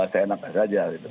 seenak aja gitu